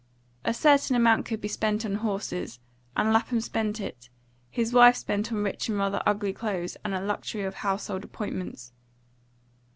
A certain amount could be spent on horses, and Lapham spent it; his wife spent on rich and rather ugly clothes and a luxury of household appointments.